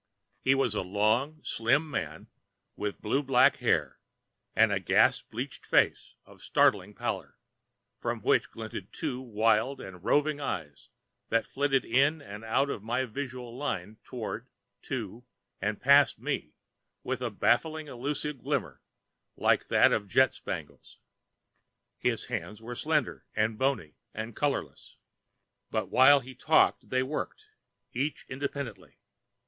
He was a long, slim man, with blue black hair and a gas bleached face of startling pallor from which glittered two wild and roving eyes that flitted in and out of my visual line toward, to, and past me with a baffling elusive glimmer like that of jet spangles. His hands were slender and bony and colorless, but while he talked they worked, each independently.